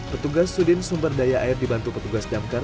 petugas sudin sumber daya air dibantu petugas damkar